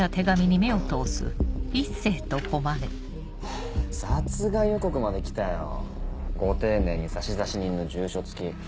ハァ殺害予告まで来たよご丁寧に差出人の住所付き。